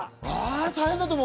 大変だと思う。